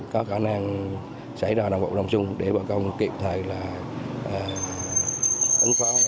khả năng xảy ra đồng vụ đồng chung để bà con kịp thời là ứng phó